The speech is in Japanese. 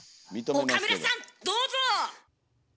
岡村さんどうぞ！